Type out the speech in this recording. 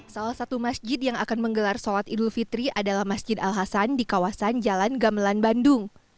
salah satu masjid yang akan menggelar sholat idul fitri adalah masjid al hasan di kawasan jalan gamelan bandung